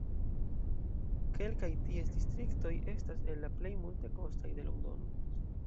Kelkaj ties distriktoj estas el la plej multekostaj de Londono.